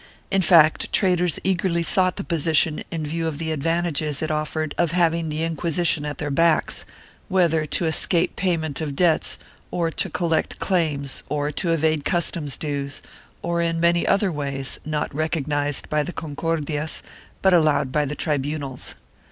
In fact traders eagerly sought the position in view of the advantages it offered of having the Inquisition at their backs, whether to escape payment of debts or to collect claims or to evade customs dues, or in many other ways, not recognized by the Concordias but allowed by the tribunals.